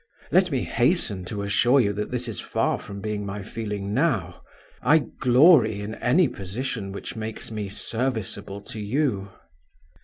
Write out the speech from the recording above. Let me hasten to assure you that this is far from being my feeling now. I glory in any position which makes me serviceable to you.